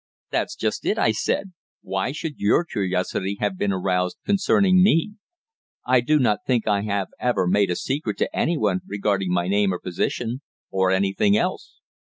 "That's just it," I said. "Why should your curiosity have been aroused concerning me? I do not think I have ever made a secret to any one regarding my name or my position, or anything else."